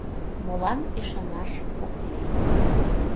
Молан ӱшанаш ок лий.